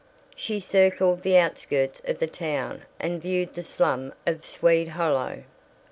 She circled the outskirts of the town and viewed the slum of "Swede Hollow."